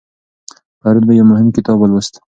پرون مې یو مهم کتاب ولوست.